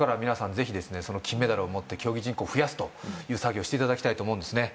ぜひですねその金メダルを持って競技人口増やすという作業していただきたいと思うんですね